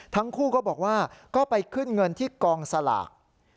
ทั้งคู่ก็บอกว่าก็ไปขึ้นเงินที่กองสลาก